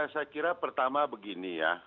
saya kira pertama begini ya